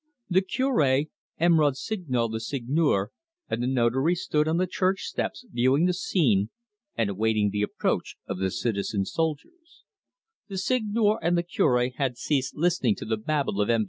The Cure, M. Rossignol the Seigneur, and the Notary stood on the church steps viewing the scene and awaiting the approach of the soldier citizens. The Seigneur and the Cure had ceased listening to the babble of M.